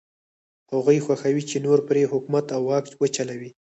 هغوی خوښوي چې نور پرې حکومت او واک وچلوي.